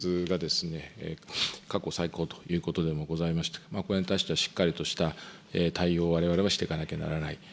今、委員ご指摘いただきましたように、小中高校生の自殺が、過去最高ということでもございまして、これに対しては、しっかりとした対応をわれわれはしていかなければならない。